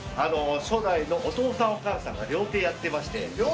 初代の、お父さん、お母さんが料亭やってまして。